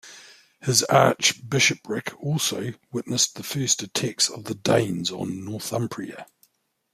His archbishorpric also witnessed the first attacks of the Danes on Northumbria.